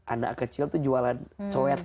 anak kecil itu jualan coet